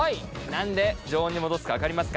何で常温に戻すか分かりますか？